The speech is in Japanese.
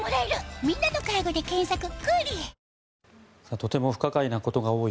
とても不可解なことが多い